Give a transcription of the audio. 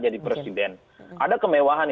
jadi presiden ada kemewahan